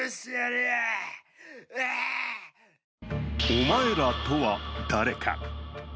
お前らとは誰か。